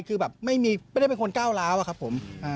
คือแบบไม่ได้เป็นคนก้าวร้าวอะครับผม